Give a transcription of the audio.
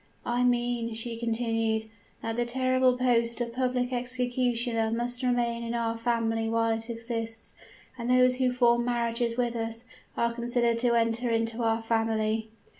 "'I mean,' she continued, 'that the terrible post of public executioner must remain in our family while it exists; and those who form marriages with us, are considered to enter into our family.